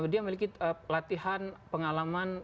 dia memiliki latihan pengalaman